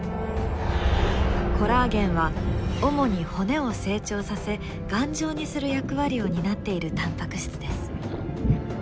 コラーゲンは主に骨を成長させ頑丈にする役割を担っているタンパク質です。